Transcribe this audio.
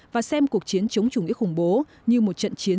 và xem cuộc chiến chống chủ nghĩa khủng bố như một trận chiến